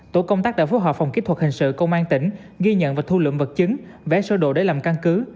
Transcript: tổ công tác đã phối hợp phòng kỹ thuật hình sự công an tỉnh ghi nhận và thu lượng vật chứng vé sơ đồ để làm căn cứ